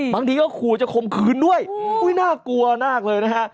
บางทีก็ขู่จะคมคืนด้วยอุ้ยน่ากลัวมากเลยนะฮะ